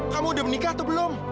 kamu udah menikah atau belum